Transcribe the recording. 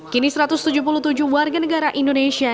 kini satu ratus tujuh puluh tujuh warga negara indonesia